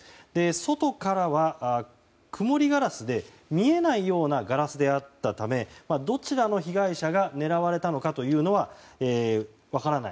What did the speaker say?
外からはくもりガラスで見えないようなガラスであったためどちらの被害者が狙われたのかというのは分からない。